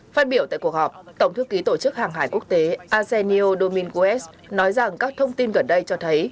phát biểu tại cuộc họp tổng thư ký tổ chức hàng hải quốc tế arsenio dominguez nói rằng các thông tin gần đây cho thấy